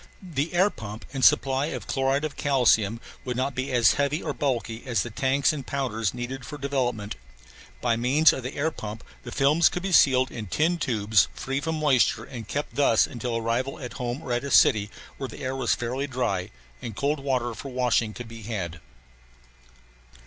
The air pump and supply of chloride of calcium would not be as heavy or bulky as the tanks and powders needed for development. By means of the air pump the films could be sealed in tin tubes free from moisture and kept thus until arrival at home or at a city where the air was fairly dry and cold water for washing could be had.